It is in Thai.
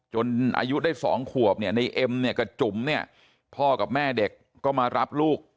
จนอายุได้๒ขวบในเอ็มกับจุ่มเนี่ยพ่อกับแม่เด็กก็มารับลูก